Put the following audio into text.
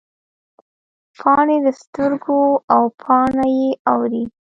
پاڼې د سترګو او باڼه یې اوري